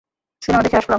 Cinema দেখে আসলাম।